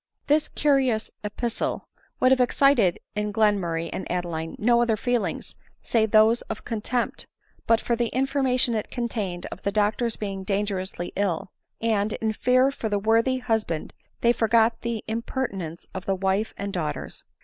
This curious epistle would have excited in Glenmur ray and Adeline no other feelings save those of con tempt, but for the information it contained of the doctor's being dangerously ill ; and, in fear for the worthy hus band, they forgot the impertinence of the wife and daughters.